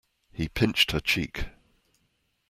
He pinched her cheek.